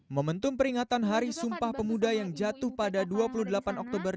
momentum peringatan hari sumpah pemuda yang jatuh pada dua puluh delapan oktober